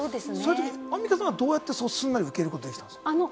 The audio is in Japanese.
アンミカさん、そういう時はすんなり受け入れることできたんですか？